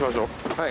はい。